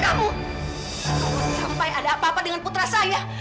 kamu sampai ada apa apa dengan putra saya